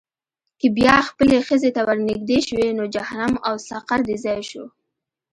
که بیا خپلې ښځې ته ورنېږدې شوې، نو جهنم او سقر دې ځای شو.